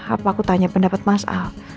apa aku tanya pendapat masal